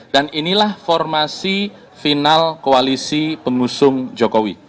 dan inilah formasi final koalisi pengusung jokowi